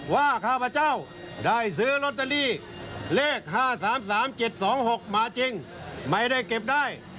ว่าข้าพเจ้าได้ซื้อโรตเตอรี่